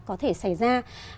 có thể xảy ra